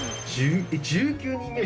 １９人目？